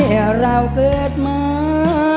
ให้เราเกิดมา